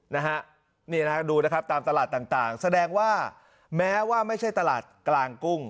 นะฮะนี่นะฮะดูนะครับตามตลาดต่างแสดงว่าแม้ว่าไม่ใช่ตลาดกลางกุ้ง